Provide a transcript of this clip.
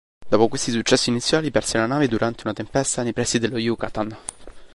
Dopo questi successi iniziali, perse la nave durante una tempesta nei pressi dello Yucatán.